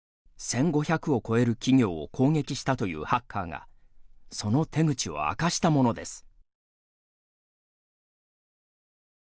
１５００を超える企業を攻撃したというハッカーがその手口を明かしたものです。